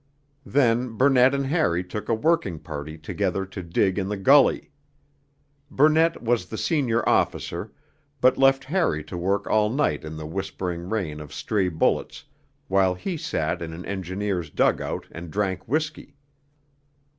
Then Burnett and Harry took a working party together to dig in the gully. Burnett was the senior officer, but left Harry to work all night in the whispering rain of stray bullets, while he sat in an Engineers' dug out and drank whisky.